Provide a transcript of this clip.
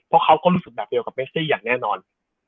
เพราะเขาก็รู้สึกแบบเดียวกับเมซี่อย่างแน่นอน